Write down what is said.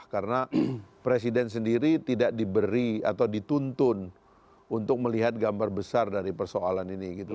karena presiden sendiri tidak diberi atau dituntun untuk melihat gambar besar dari persoalan ini